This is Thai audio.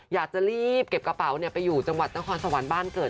อยากจะรีบเก็บกระเป๋าไปอยู่จังหวัดนครสวรรค์บ้านเกิด